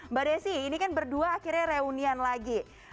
mbak desi ini kan berdua akhirnya reunian lagi